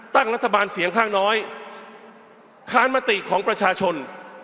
ตั้งรัฐบาลเสียงข้างน้อยค้านมติของประชาชน